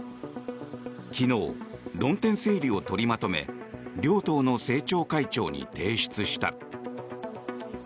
昨日、論点整理を取りまとめ両党の政調会長に提出した。